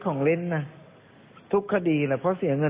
ก็คือพ่อไม่ได้ซื้อไง